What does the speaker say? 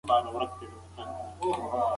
تاسو د دښمن د وسلو په اړه معلومات راټول کړئ.